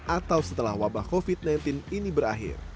atau setelah wabah covid sembilan belas ini berakhir